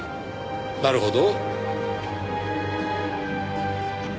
なるほど。